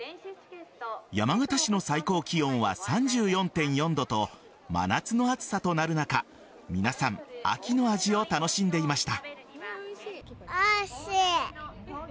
山形市の最高気温は３４．４度と真夏の暑さとなる中皆さん秋の味を楽しんでいました。